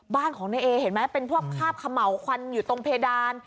บ้านของนายเอเห็นไหมเป็นพวกคาบเขม่าวควันอยู่ตรงเพดาน